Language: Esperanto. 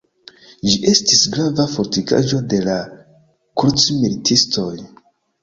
Ĝi estis grava fortikaĵo de la krucmilitistoj.